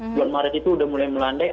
bulan maret itu sudah mulai melandai